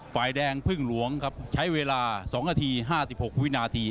ฝ่ายแดงพึ่งหลวงครับใช้เวลา๒นาที๕๖วินาที